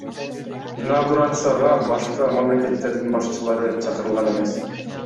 Инаугурацияга башка мамлекеттердин башчылары чакырылган эмес.